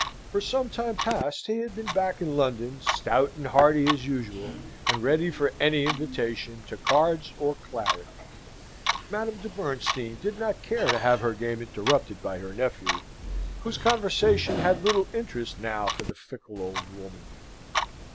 For some time past he had been back in London stout and hearty as usual, and ready for any invitation to cards or claret. Madame de Bernstein did not care to have her game interrupted by her nephew, whose conversation had little interest now for the fickle old woman.